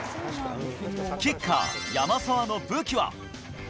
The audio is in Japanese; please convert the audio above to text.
キッカー、山沢の武器は。